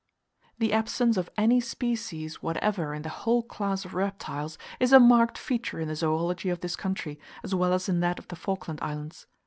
The absence of any species whatever in the whole class of Reptiles, is a marked feature in the zoology of this country, as well as in that of the Falkland Islands.